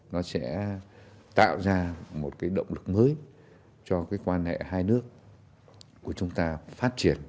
nó sẽ tạo ra một cái động lực mới cho cái quan hệ hai nước của chúng ta phát triển